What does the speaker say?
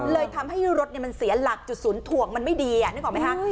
เลยทำให้รถมันเสียหลักจุดศูนย์ถ่วงมันไม่ดีนึกออกไหมคะ